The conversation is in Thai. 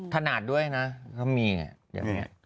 ถนาดด้วยนะเขามีอย่างนี้